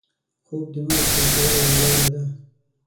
خوب د مغز خلاصولو یوه لاره ده